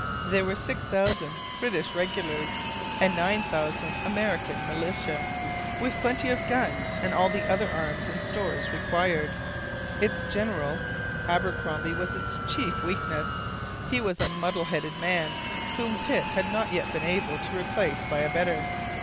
There were 6,000 British regulars and 9,000 American militia, with plenty of guns and all the other arms and stores required. Its general, Abercromby, was its chief weakness. He was a muddle headed man, whom Pitt had not yet been able to replace by a better.